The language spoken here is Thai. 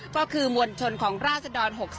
ก็คือมวลชนของราศดร๖๓